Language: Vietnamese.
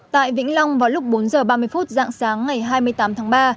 tại vĩnh long vào lúc bốn h ba mươi phút dạng sáng ngày hai mươi tám tháng ba